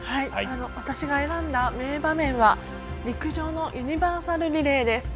私が選んだ名場面は陸上のユニバーサルリレーです。